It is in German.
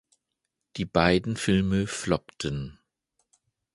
Die beiden Filme floppten.